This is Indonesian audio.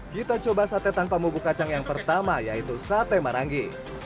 kita coba sate tanpa bubuk kacang yang pertama yaitu sate marangi